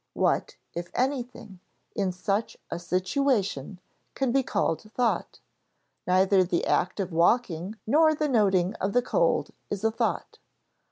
What, if anything, in such a situation can be called thought? Neither the act of walking nor the noting of the cold is a thought.